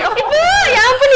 ibu ya ampun